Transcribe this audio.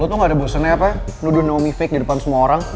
lo tuh gak ada busennya apa nuduh naomi fake di depan semua orang